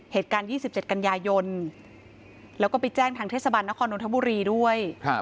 เหตุการณ์๒๗กันยายนแล้วก็ไปแจ้งทางเทศบาลนครนนทบุรีด้วย